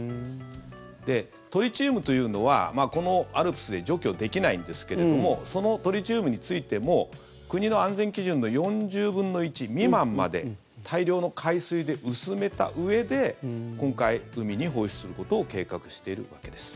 トリチウムというのはこのＡＬＰＳで除去できないんですけれどもそのトリチウムについても国の安全基準の４０分の１未満まで大量の海水で薄めたうえで今回、海に放出することを計画しているわけです。